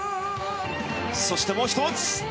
そして、もう１つ。